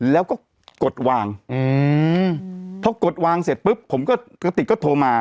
แล้วก็กดวางอืมพอกดวางเสร็จปุ๊บผมก็กระติกก็โทรมา